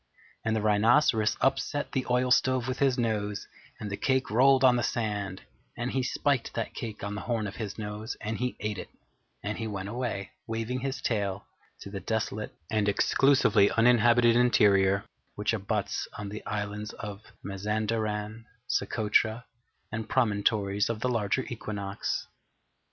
And the Rhinoceros upset the oil stove with his nose, and the cake rolled on the sand, and he spiked that cake on the horn of his nose, and he ate it, and he went away, waving his tail, to the desolate and Exclusively Uninhabited Interior which abuts on the islands of Mazanderan, Socotra, and Promontories of the Larger Equinox.